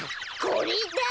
これだ。